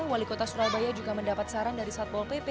wali kota surabaya juga mendapat saran dari satpol pp